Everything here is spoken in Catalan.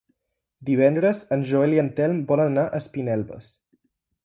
Divendres en Joel i en Telm volen anar a Espinelves.